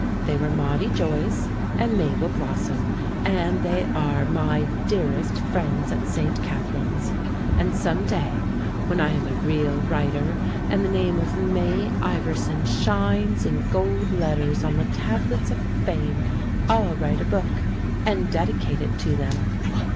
They were Maudie Joyce and Mabel Blossom, and they are my dearest friends at St. Catharine's. And some day, when I am a real writer and the name of May Iverson shines in gold letters on the tablets of fame, I'll write a book and dedicate it to them.